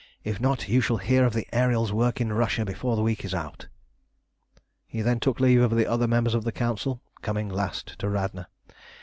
If not, you shall hear of the Ariel's work in Russia before the week is out." He then took leave of the other members of the Council, coming last to Radna.